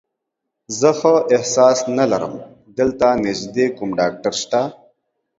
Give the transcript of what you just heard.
زه ښه احساس نه لرم، دلته نږدې کوم ډاکټر شته؟